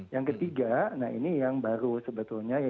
yang ketiga nah ini yang baru sebetulnya yaitu konvergen